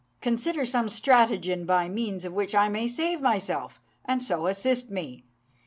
Consider some stratagem by means of which I may save myself, and so assist me.